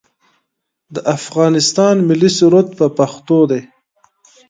د افغانستان ملي سرود په پښتو دی